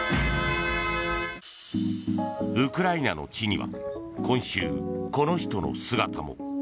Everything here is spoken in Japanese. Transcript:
ウクライナの地には今週、この人の姿も。